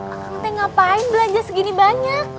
akang teh ngapain belanja segini banyak